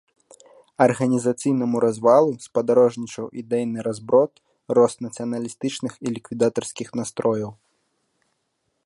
Арганізацыйнаму развалу спадарожнічаў ідэйны разброд, рост нацыяналістычных і ліквідатарскіх настрояў.